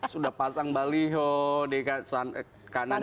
sudah pasang baliho di kanan kiri jalan